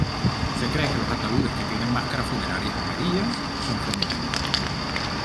Se cree que los ataúdes que tienen máscaras funerarias amarillas son femeninos.